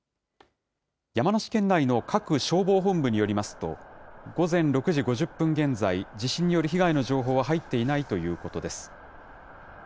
山梨県内の各消防本部によりますと、午前６時５０分現在、地震による被害の情報は入っていないということです。